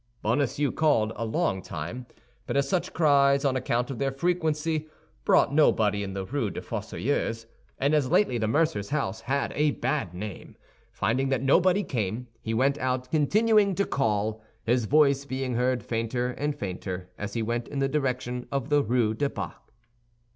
Bonacieux called a long time; but as such cries, on account of their frequency, brought nobody in the Rue des Fossoyeurs, and as lately the mercer's house had a bad name, finding that nobody came, he went out continuing to call, his voice being heard fainter and fainter as he went in the direction of the Rue du Bac.